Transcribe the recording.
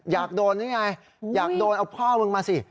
อยากโดนหรือไงอยากโดนเอาพ่อมึงมาสิ